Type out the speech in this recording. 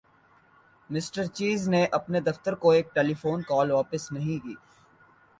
mister چِیز نے اپنے دفتر کو ایک ٹیلیفون کال واپس نہیں کی